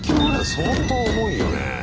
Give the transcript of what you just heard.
相当重いよね。